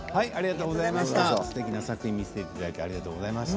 すてきな作品を見せていただきありがとうございました。